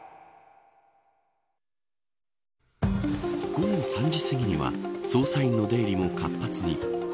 午後３時すぎには捜査員の出入りも活発に。